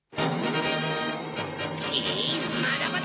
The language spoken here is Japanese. まだまだ！